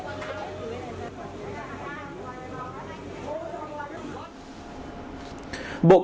cơ quan chức năng đang tiếp tục điều tra làm rõ vụ việc